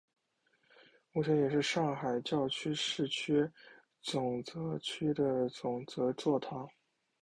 目前也是上海教区市区总铎区的总铎座堂。